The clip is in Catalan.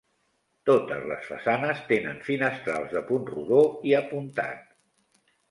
Totes les façanes tenen finestrals de punt rodó i apuntat.